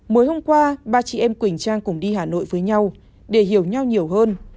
mới hôm qua ba chị em quỳnh trang cùng đi hà nội với nhau để hiểu nhau nhiều hơn